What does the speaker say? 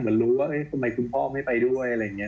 รู้ว่าทำไมคุณพ่อไม่ไปด้วยอะไรอย่างนี้